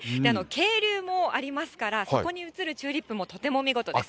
渓流もありますから、そこに映るチューリップもとても見事です。